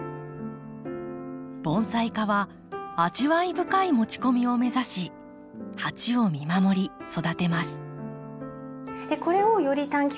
盆栽家は味わい深い持ち込みを目指し鉢を見守り育てます。